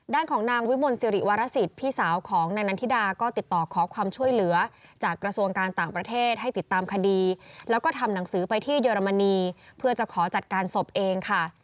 ด้านของนางวิมลสิริวรสิทธิ์พี่สาวของนางนันทิดาก็ติดต่อขอความช่วยเหลือจากกระทรวงการต่างประเทศให้ติดตามคดีแล้วก็ทำหนังสือไปที่เยอรมนีเพื่อจะขอจัดการศพเองค่ะ